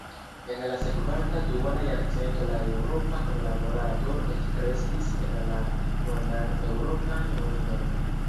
En la sekvanta duona jarcento la eŭropa kunlaborado elkreskis en la nunan Eŭropan Union.